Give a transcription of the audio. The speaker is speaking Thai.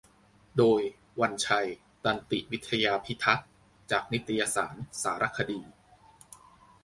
โดย วันชัย ตันติวิทยาพิทักษ์ จากนิตยสาร สารคดี